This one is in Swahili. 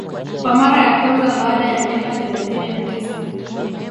kwa mara ya kwanza baada ya miaka thelathini na tisa